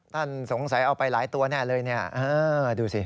ท่านสงสัยเอาไปหลายตัวแน่เลยเนี่ยดูสิ